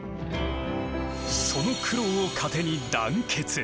その苦労を糧に団結。